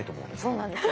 そうなんですよ。